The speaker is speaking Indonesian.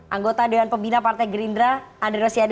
anggota dengan pembina partai gerindra ander rosiade